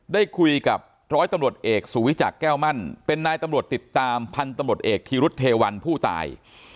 ได้คุยกับร้อยตำรวจเอกสุวิจักรแก้วมั่นเป็นนายตำรวจติดตามพันธุ์ตำรวจเอกธีรุธเทวันผู้ตาย